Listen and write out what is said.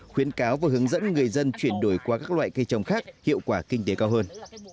khuyến cáo và hướng dẫn người dân chuyển đổi qua các loại cây trồng khác hiệu quả kinh tế cao hơn